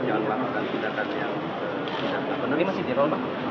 jangan melakukan tindakan yang tidak terpenuhi